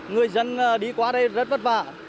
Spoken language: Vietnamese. người dân đi qua đây rất vất vả